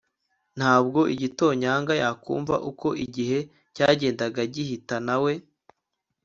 ntabwo igitonyanga yakumva. uko igihe cyagendaga gihita, na we